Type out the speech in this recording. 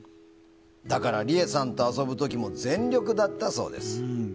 だからリエさんと遊ぶ時も全力だったそうです。